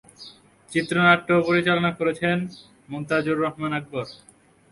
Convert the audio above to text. চিত্রনাট্য ও পরিচালনা করেছেন মনতাজুর রহমান আকবর।